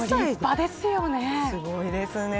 すごいですね。